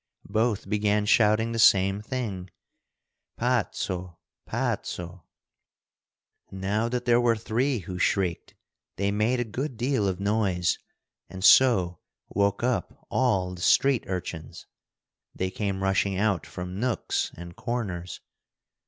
Both began shouting the same thing: "Pazzo, pazzo!" Now that there were three who shrieked, they made a good deal of noise and so woke up all the street urchins. They came rushing out from nooks and corners.